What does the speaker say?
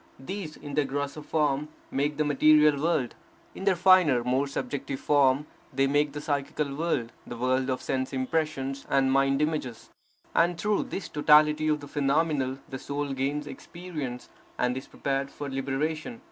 These, in their grosser form, make the material world; in their finer, more subjective form, they make the psychical world, the world of sense impressions and mind images. And through this totality of the phenomenal, the soul gains experience, and is prepared for liberation.